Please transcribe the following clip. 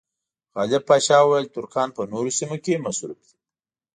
غالب پاشا وویل چې ترکان په نورو سیمو کې مصروف دي.